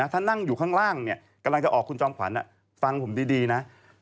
ถ้านั่งอยู่ข้างล่างกำลังจะออกคุณจอมขวัญฟังผมดีนะ